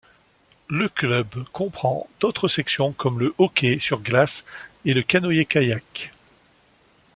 Le club comprend d'autres sections comme le Hockey sur glace et le Canoë-kayak.